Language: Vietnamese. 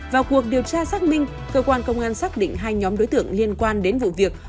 vào cuộc điều tra xác minh cơ quan công an xác định hai nhóm đối tượng liên quan đến vụ việc